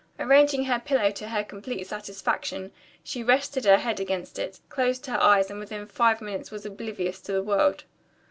Arranging her pillow to her complete satisfaction, she rested her head against it, closed her eyes and within five minutes was oblivious to the world.